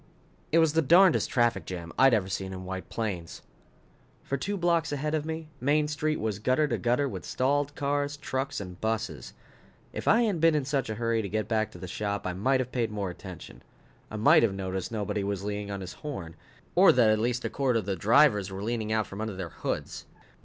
_ It was the darnedest traffic jam I'd ever seen in White Plains. For two blocks ahead of me, Main Street was gutter to gutter with stalled cars, trucks and buses. If I hadn't been in such a hurry to get back to the shop, I might have paid more attention. I might have noticed nobody was leaning on his horn. Or that at least a quarter of the drivers were out peering under their hoods.